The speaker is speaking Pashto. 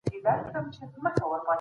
پرون مي یو نوی مهارت زده کړ.